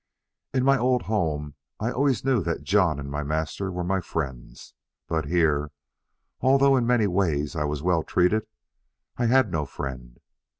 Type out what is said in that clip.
In my old home I always knew that John and my master were my friends; but here, although in many ways I was well treated, I had no friend.